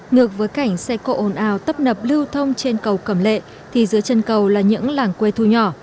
ngược với cảnh xe cộ ồn ào tấp nập lưu thông trên cầu cẩm lệ thì giữa chân cầu là những làng quê thu nhỏ